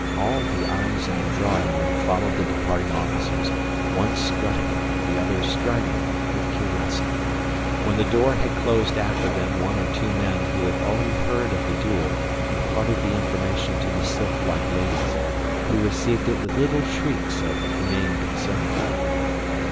All the eyes in the drawing room followed the departing officers, one strutting, the other striding, with curiosity. When the door had closed after them one or two men who had already heard of the duel imparted the information to the sylphlike ladies, who received it with little shrieks of humane concern.